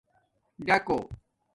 ڈکُو